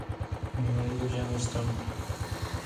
Mi marido ya no está.